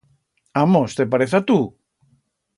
Amos, te parez a tu!